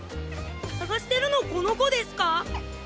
探してるのこの子ですか？